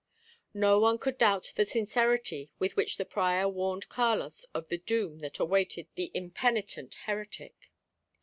No one could doubt the sincerity with which the prior warned Carlos of the doom that awaited the impenitent heretic.